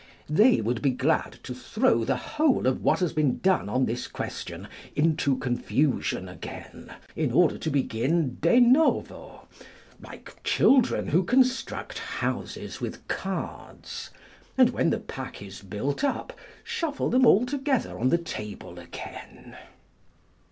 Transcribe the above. They would be glad to throw the whole of what has been done on this question into confusion again, in order to begin de novo, like children who construct houses with cards, and when the pack is built up, shuffle them all together on the table again.